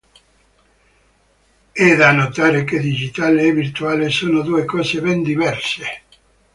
È da notare che digitale e virtuale sono due cose ben diverse.